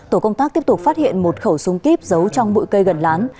tổ công tác tiếp tục phát hiện một khẩu súng kíp giấu trong bụi cây gần lán